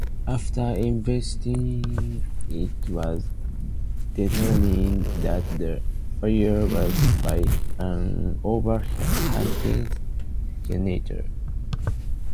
After investigations, it was determined that the fire was caused by an overheated generator.